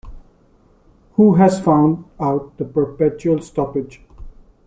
Who has found out the perpetual stoppage?